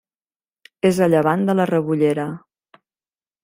És a llevant de la Rebollera.